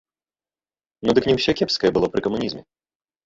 Ну дык не ўсё кепскае было пры камунізме!